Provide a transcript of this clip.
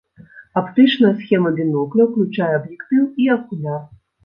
Аптычная схема бінокля ўключае аб'ектыў і акуляр.